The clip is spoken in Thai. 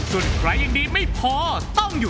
ส่วนใครยังดีไม่พอต้องอยู่